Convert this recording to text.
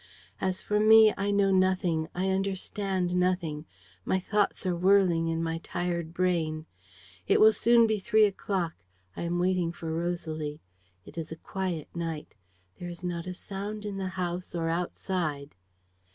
... "As for me, I know nothing, I understand nothing, my thoughts are whirling in my tired brain. ... "It will soon be three o'clock. ... I am waiting for Rosalie. It is a quiet night. There is not a sound in the house or outside.